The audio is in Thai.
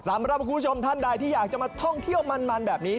สำหรับคุณผู้ชมท่านใดที่อยากจะมาท่องเที่ยวมันแบบนี้